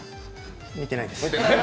見てないです。